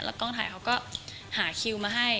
กล้องถ่ายเขาก็หาคิวมาให้